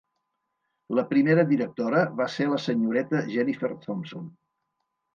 La primera directora va ser la senyoreta Jennifer Thompson.